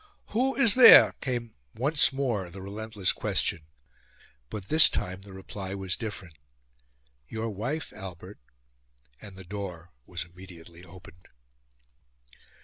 "Who is there?" came once more the relentless question. But this time the reply was different. "Your wife, Albert." And the door was immediately opened.